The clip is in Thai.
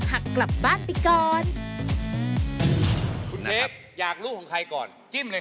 เอาเป็นพี่คนแรกก็ได้ค่ะ